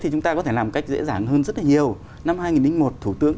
rất là nhiều năm hai nghìn một thủ tướng